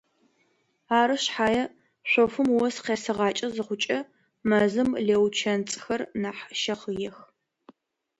Ары шъхьае шъофым ос къесыгъакӏэ зыхъукӏэ мэзым лэучэцӏхэр нахь щэхъыех.